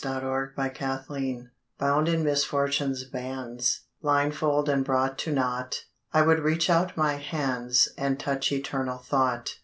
RESOLVE Bound in misfortune's bands, Blindfold and brought to nought, I would reach out my hands And touch eternal thought.